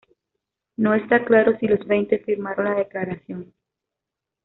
No está claro si los veinte firmaron la declaración.